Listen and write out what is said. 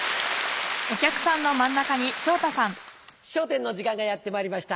『笑点』の時間がやってまいりました。